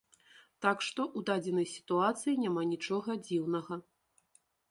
Так што, у дадзенай сітуацыі няма нічога дзіўнага.